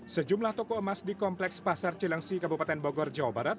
sejumlah toko emas di kompleks pasar cilengsi kabupaten bogor jawa barat